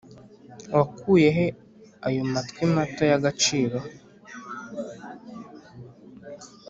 wakuye he ayo matwi mato y'agaciro?